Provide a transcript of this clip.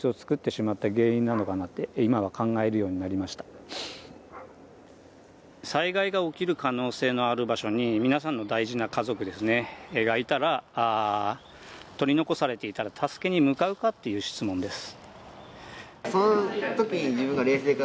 私がうちの災害が起きる可能性のある場所に皆さんの大事な家族がいたら取り残されていたら助けに向かうかっていう質問です。